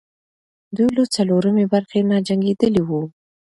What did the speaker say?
دوی له څلورمې برخې نه جنګېدلې وو.